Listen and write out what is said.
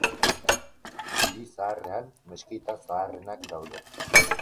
Hiri zaharrean, meskita zaharrenak daude.